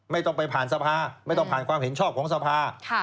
ไม่ต้องไปผ่านสภาไม่ต้องผ่านความเห็นชอบของสภา